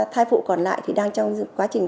thai phụ còn lại thì đang trong quá trình